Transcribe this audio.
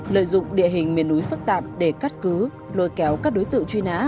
lợi dụng địa hình miền núi phức tạp để cắt cứu lôi kéo các đối tượng truy nã